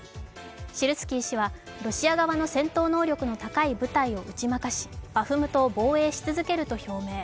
シルスキー氏はロシア側の戦闘能力の高い部隊を打ち負かし、バフムトを防衛し続けると表明。